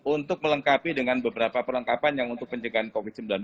untuk melengkapi dengan beberapa perlengkapan yang untuk pencegahan covid sembilan belas